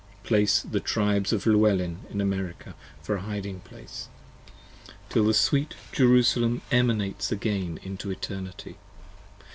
Place the Tribes of Llewellyn in America for a hiding place, 60 Till sweet Jerusalem emanates again into Eternity.